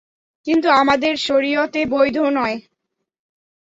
কিন্তু আমাদের শরীয়তে বৈধ নয়।